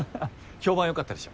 評判良かったでしょ。